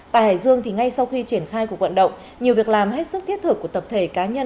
tại hải dương ngay sau khi triển khai cuộc vận động nhiều việc làm hết sức thiết thực của tập thể cá nhân